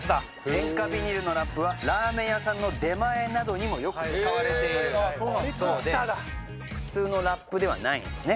塩化ビニルのラップはラーメン屋さんの出前などにもよく使われているそうで普通のラップではないんですね。